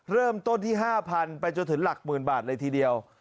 เริ่มต้นที่๕๐๐ไปจนถึงหลักหมื่นบาทเลยทีเดียว